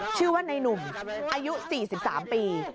ชื่อว่าในนุ่มอายุ๔๓ปี